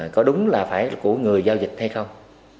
có đúng là phải của người giao dịch hay không